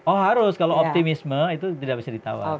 oh harus kalau optimisme itu tidak bisa ditawar